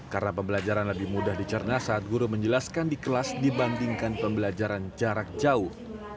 karena pembelajaran lebih mudah dicerna saat guru menjelaskan di kelas dibandingkan pembelajaran jarak jauh